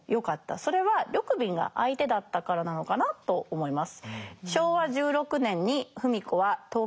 それは緑敏が相手だったからなのかなと思います。